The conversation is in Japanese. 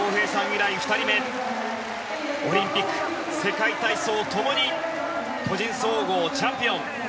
以来２人目オリンピック、世界体操ともに個人総合チャンピオン。